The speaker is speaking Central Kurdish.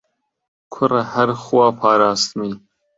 کوڕە هەر خوا پاراستمی